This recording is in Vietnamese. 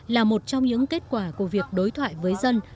là một trong những kết quả của việc đối thoại với dân